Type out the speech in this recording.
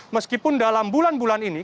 meskipun dalam bulan bulan ini